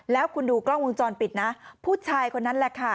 แล้วคุณดูกล้องวงจรปิดนะผู้ชายคนนั้นแหละค่ะ